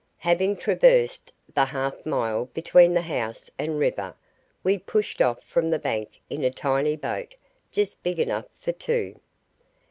Having traversed the half mile between the house and river, we pushed off from the bank in a tiny boat just big enough for two.